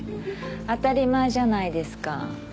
当たり前じゃないですか。